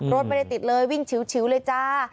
รถไม่ได้ติดเลยวิ่งชิวเลยจ้า